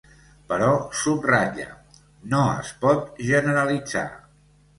Però subratlla: No es pot generalitzar.